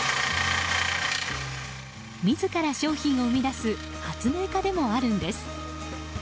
自ら商品を生み出す発明家でもあるんです。